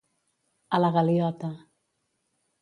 A la galiota.